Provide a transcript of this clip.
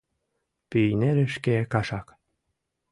Пийнерешке кашак!